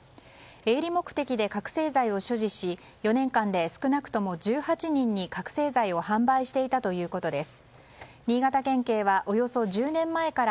営利目的で覚醒剤を所持し少なくとも１８人に覚醒剤を販売していたということです。